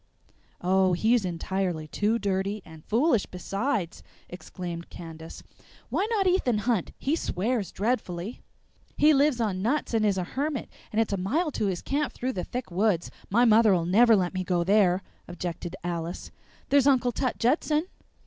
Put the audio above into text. "Oh, he's entirely too dirty, and foolish besides!" exclaimed Candace. "Why not Ethan Hunt? He swears dreadfully." "He lives on nuts and is a hermit, and it's a mile to his camp through the thick woods; my mother'll never let me go there," objected Alice. "There's Uncle Tut Judson."